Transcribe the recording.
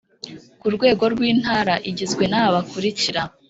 ku rwego rw Intara igizwe n aba bakurikira